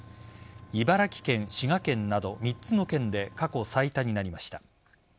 茨城県、滋賀県など３つの県で過去最多となりました。